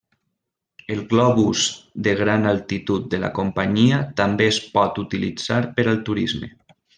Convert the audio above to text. El globus de gran altitud de la companyia també es pot utilitzar per al turisme.